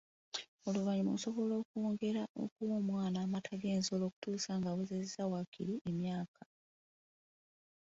Oluvannyuma osobola okwongera okuwa omwana amata g'ensolo okutuusa ng'awezezza waakiri emyaka .